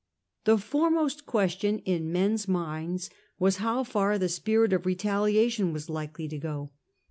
The foremost question in men's minds was, how far the spirit of retaliation was likely to go.